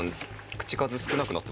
口数少なくなって。